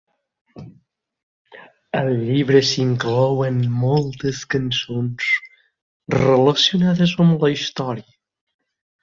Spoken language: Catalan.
Al llibre s'inclouen moltes cançons relacionades amb la història.